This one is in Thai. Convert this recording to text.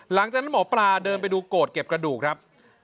หลังจากนั้นหมอปลาเดินไปดูโกรธเก็บกระดูกครับ